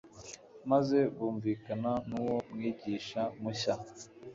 maze bumvikane n’uwo mwigisha mushya.